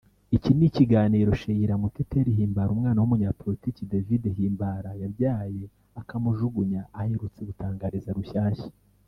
Iki ni ikiganiro Cheila Muteteri Himbara umwana w’umunyapolitiki David Himbara yabyaye akamujugunya aherutse gutangariza Rushyashya